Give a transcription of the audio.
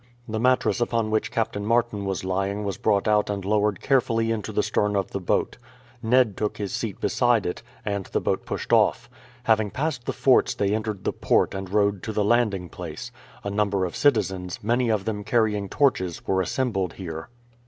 The mattress upon which Captain Martin was lying was brought out and lowered carefully into the stern of the boat. Ned took his seat beside it, and the boat pushed off. Having passed the forts they entered the port and rowed to the landing place. A number of citizens, many of them carrying torches, were assembled here.